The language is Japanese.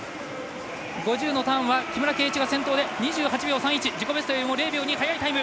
５０のターンは木村敬一２８秒３１、自己ベストより０秒２早いタイム。